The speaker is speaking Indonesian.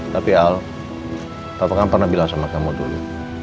tapi al papa kan pernah bilang sama kamu dulu